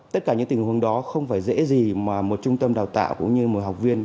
tất cả những tình huống đó không phải dễ gì mà một trung tâm đào tạo cũng như một học viên